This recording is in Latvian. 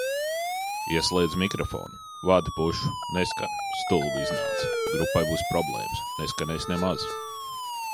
Ieslēdzu mikrofonu, vadi pušu, neskan, stulbi iznāca. Grupai būs problēmas. Neskanēs nemaz.